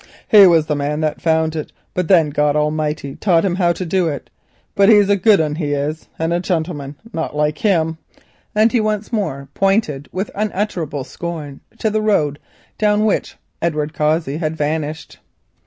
He was the man as found it, but then God Almighty taught him where to dig. But he's a good un, he is; and a gintleman, not like him," and once more he pointed with unutterable scorn to the road down which Edward Cossey had vanished.